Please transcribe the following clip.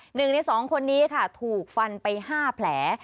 หนึ่งในสองคนนี้ค่ะถูกฟันไป๕แผล